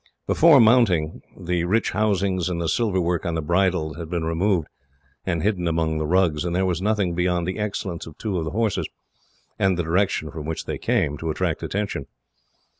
Before mounting, the rich housings and the silver work on the bridles had been removed, and hidden among the rugs, and there was nothing beyond the excellence of two of the horses, and the direction from which they came, to attract attention.